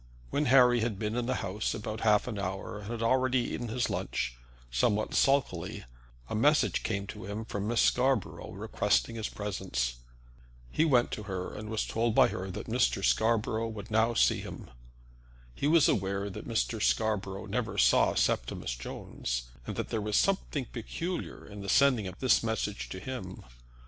When Harry had been in the house about half an hour, and had already eaten his lunch, somewhat sulkily, a message came to him from Miss Scarborough requiring his presence. He went to her, and was told by her that Mr. Scarborough would now see him. He was aware that Mr. Scarborough never saw Septimus Jones, and that there was something peculiar in the sending of this message to him.